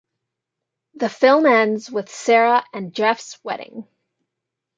The film ends with Sarah and Jeff's wedding.